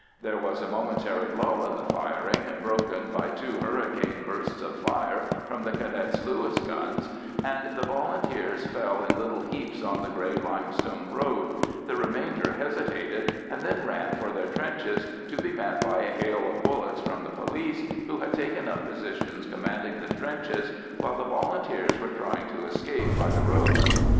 There was a momentary lull in the firing, broken by two hurricane bursts of fire from the Cadets' Lewis guns, and the Volunteers fell in little heaps on the grey limestone road; the remainder hesitated, and then ran for their trenches, to be met by a hail of bullets from the police, who had taken up positions commanding the trenches while the Volunteers were trying to escape by the road.